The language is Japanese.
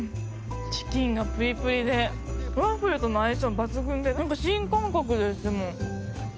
チキンがプリプリでワッフルとの相性抜群で何か新感覚です、でも。